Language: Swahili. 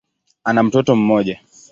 Ana mtoto mmoja.